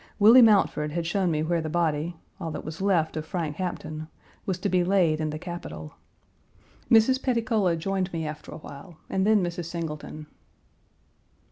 Willie Mountford had shown me where the body, all that was left of Frank Hampton, was to be laid in the Capitol. Mrs. Petticola joined me after a while, and then Mrs. Singleton.